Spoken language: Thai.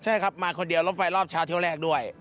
ใช่ครับมาคนเดียวรถไฟรอบเช้าเที่ยวแรกด้วย